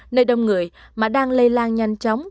nơi đông người mà đang lây lan nhanh chóng